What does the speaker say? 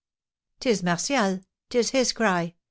"'Tis Martial 'tis his cry!